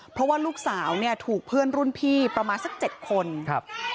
เพราะว่าลูกสาวเนี่ยถูกเพื่อนรุ่นพี่ประมาณสักเจ็ดคนครับ